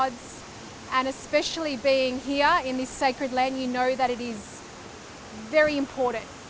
dan terutama di sini di tanah suci ini anda tahu bahwa ini sangat penting